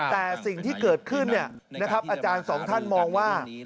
แต่สิ่งที่เกิดขึ้นอาจารย์สองท่านมองว่า